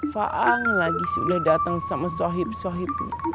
faham lagi sudah datang sama sohib sohib